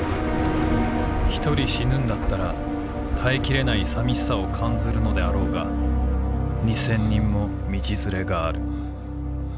一人死ぬんだったら堪え切れないさみしさを感ずるのであろうが二千人も道連れがある。